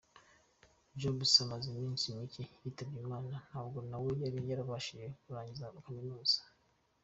Jobs amaze iminsi mike yitabye Imana, ntabwo nawe yari yarabashije kurangiza kaminuza.